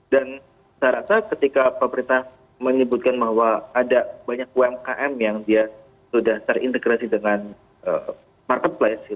dan saya rasa ketika pemerintah menyebutkan bahwa ada banyak umkm yang dia sudah terintegrasi dengan marketplace